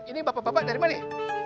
ini bapak bapak dari mana